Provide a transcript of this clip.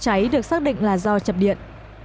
cháy được xác định là do chập điện